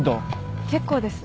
結構です。